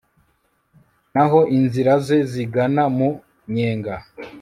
naho inzira ze zigana mu nyenga